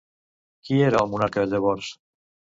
Qui era el monarca llavors?